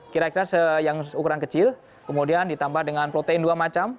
kira kira yang ukuran kecil kemudian ditambah dengan protein dua macam